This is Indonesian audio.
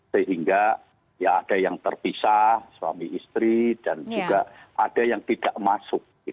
sehingga ya ada yang terpisah suami istri dan juga ada yang tidak masuk